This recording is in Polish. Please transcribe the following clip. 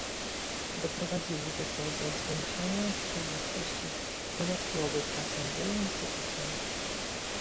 Doprowadziłoby to do zwiększenia przejrzystości i ułatwiłoby pracę wielu instytucjom